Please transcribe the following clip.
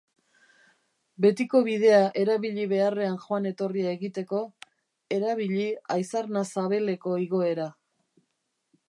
Betiko bidea erabili beharrean joan-etorria egiteko, erabili Aizarnazabeleko igoera.